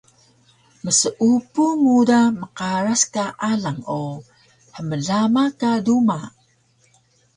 Mseupu muda mqaras ka alang o hmlama ka duma